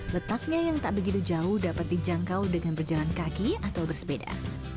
letaknya yang tak begitu jauh dapat dijangkau dengan berjalan kaki atau bersepeda